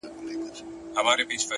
د اوښ بـارونـه پـــه واوښـتـل؛